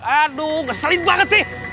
aduh ngeselin banget sih